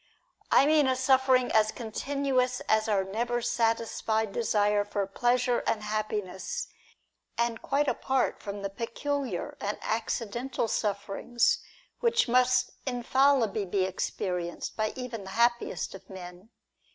I mean a suffering as continuous as our never satisfied desire for pleasure and happiness, and quite apart from the peculiar and accidental sufferings which must infallibly be experienced by even the happiest of men.